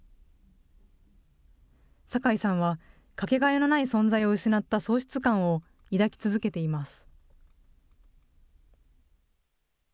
酒井さんは、掛けがえのない存在を失った喪失感を抱き続けています。